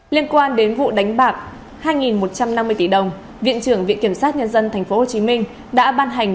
liên quan đến vụ đánh bạc hai một trăm năm mươi tỷ đồng viện trưởng viện kiểm sát nhân dân tp hcm đã ban hành